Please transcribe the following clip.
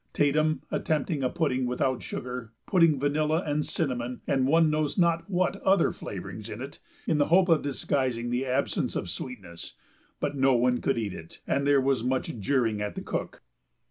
Tatum attempted a pudding without sugar, putting vanilla and cinnamon and one knows not what other flavorings in it, in the hope of disguising the absence of sweetness, but no one could eat it and there was much jeering at the cook.